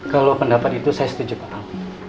kalau pendapat itu saya setuju pak alfi